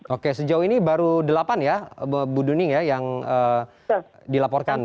oke sejauh ini baru delapan ya bu duning ya yang dilaporkan